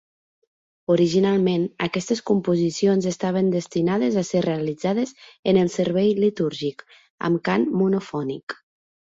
Originalment, aquestes composicions estaven destinades a ser realitzades en el servei litúrgic, amb cant monofònic.